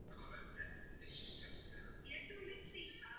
Myslím si, že to není zodpovědné.